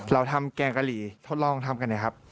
เราทำแกงกะหรี่ทดลองทำกันนะครับ